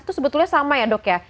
itu sebetulnya sama ya dok ya